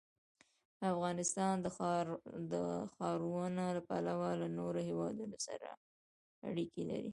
افغانستان د ښارونه له پلوه له نورو هېوادونو سره اړیکې لري.